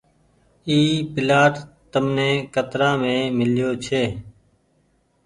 اي پلآٽ تمني ڪترآ مين ميليو ڇي۔